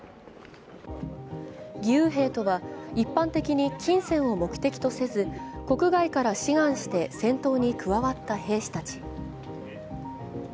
義勇兵とは一般的に金銭を目的とせず国外から志願して戦闘に加わった兵士たち。